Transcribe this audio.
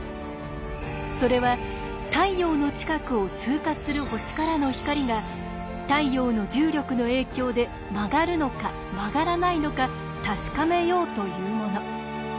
それは太陽の近くを通過する星からの光が太陽の重力の影響で曲がるのか曲がらないのか確かめようというもの。